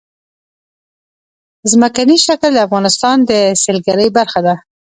ځمکنی شکل د افغانستان د سیلګرۍ برخه ده.